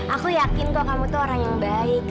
aku yakin kok kamu tuh orang yang baik